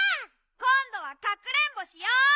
こんどはかくれんぼしよう！